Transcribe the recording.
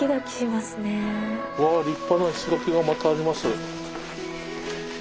うわ立派な石垣がまたあります。